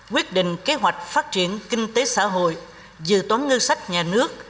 quyết định kế hoạch phát triển kinh tế xã hội dự toán ngân sách nhà nước